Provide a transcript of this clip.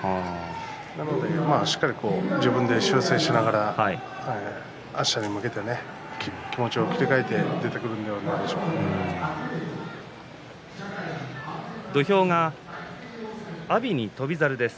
しっかり自分で修正しながら、あしたに向けて気持ちを切り替えて土俵が阿炎に翔猿です。